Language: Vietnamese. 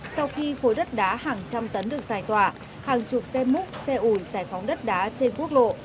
sau khi khối đất đá hàng trăm tấn được giải tỏa hàng chục xe múc xe ủi giải phóng đất đá trên quốc lộ